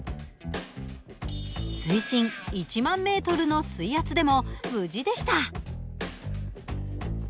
水深１万ｍの水圧でも無事でした。